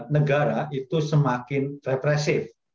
negara itu semakin represif